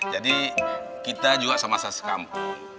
jadi kita juga sama sama sekampung